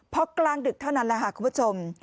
เพราะกลางดึกเท่านั้นคุณผู้ชม